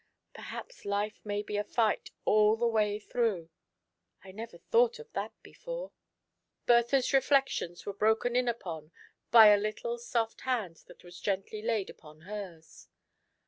Perhaps life may be a fight all the way through. I never thought of that before." Bertha's reflections were broken in upon by a little soft hand that was gently laid upon hers.